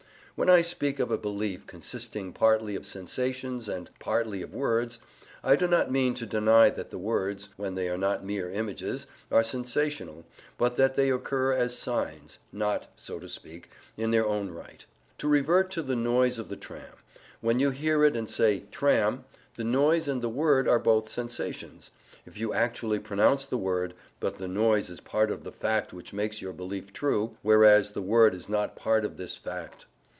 When I speak of a belief consisting partly of sensations and partly of words, I do not mean to deny that the words, when they are not mere images, are sensational, but that they occur as signs, not (so to speak) in their own right. To revert to the noise of the tram, when you hear it and say "tram," the noise and the word are both sensations (if you actually pronounce the word), but the noise is part of the fact which makes your belief true, whereas the word is not part of this fact.